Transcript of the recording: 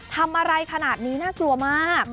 ทำอะไรขนาดนี้น่ากลัวมาก